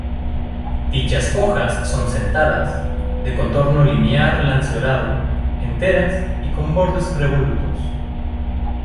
Dichas hojas son sentadas, de contorno linear-lanceolado, enteras y con bordes revolutos.